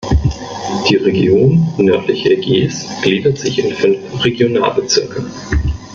Die Region Nördliche Ägäis gliedert sich in fünf Regionalbezirke.